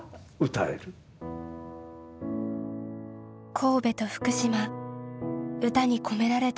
神戸と福島歌に込められた思いは同じ。